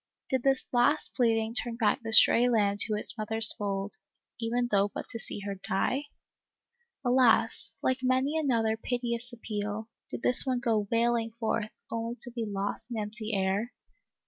Did this last pleading turn back the stray lamb to its mother's fold, even though but to see her die ? Alas, like many another piteous appeal, did this one go wailing forth, only to be lost in empty air